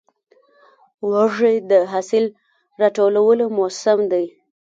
وږی د حاصل راټولو موسم دی.